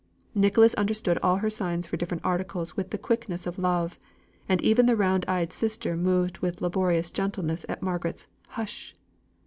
Nicholas understood all her signs for different articles with the quickness of love, and even the round eyed sister moved with laborious gentleness at Margaret's "hush!"